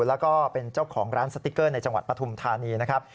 แล้วก็เป็นเจ้าของร้านสติ๊กเกอร์ในจังหวัดปฐุมธานีนะครับ